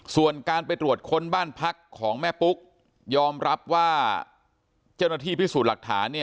ส่วนการไปตรวจค้นบ้านพักของแม่ปุ๊กยอมรับว่าเจ้าหน้าที่พิสูจน์หลักฐาน